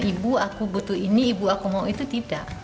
ibu aku butuh ini ibu aku mau itu tidak